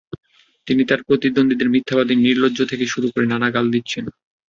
তিনি তাঁর প্রতিদ্বন্দ্বীদের মিথ্যাবাদী, নির্লজ্জ থেকে শুরু করে নানা গাল দিচ্ছেন।